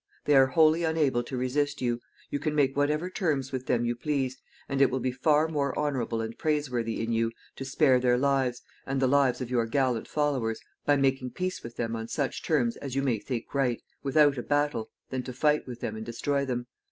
They are wholly unable to resist you. You can make whatever terms with them you please, and it will be far more honorable and praiseworthy in you to spare their lives, and the lives of your gallant followers, by making peace with them on such terms as you may think right, without a battle, than to fight with them and destroy them.